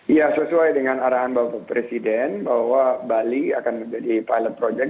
ya sesuai dengan arahan bapak presiden bahwa bali akan menjadi pilot project